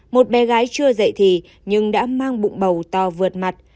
một bé gái chưa dạy thì nhưng đã mang bụng bầu to vượt mặt